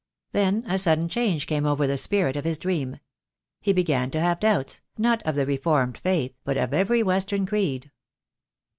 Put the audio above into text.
Then a sudden change came over the spirit of his dream. He began to have doubts, not of the reformed faith, but of every Western creed.